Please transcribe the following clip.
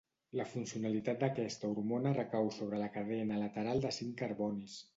La funcionalitat d'aquesta hormona recau sobre la cadena lateral de cinc carbonis.